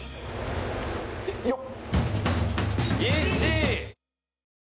よっ！